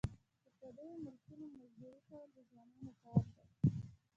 په پردیو ملکونو مزدوري کول د ځوانانو کار دی.